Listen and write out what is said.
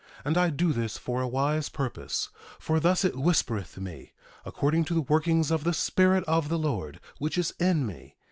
1:7 And I do this for a wise purpose; for thus it whispereth me, according to the workings of the Spirit of the Lord which is in me.